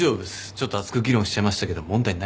ちょっと熱く議論しちゃいましたけど問題ないっす。